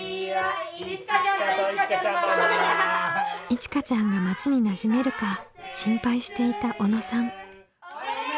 いちかちゃんが町になじめるか心配していた小野さん。